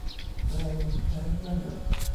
Raine is transgender.